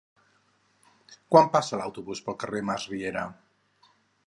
Quan passa l'autobús pel carrer Masriera?